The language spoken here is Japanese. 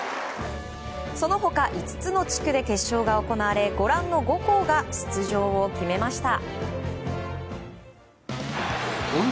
その他５つの地区で決勝が行われご覧の５校が出場を決めました。